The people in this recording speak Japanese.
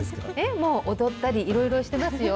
もう踊ったり、いろいろしてますよ。